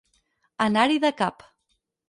Anar-hi de cap.